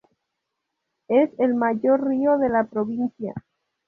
Es el mayor río de la provincia.